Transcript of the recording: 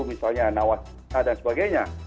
misalnya nawas dan sebagainya